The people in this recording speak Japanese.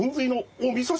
おみそ汁！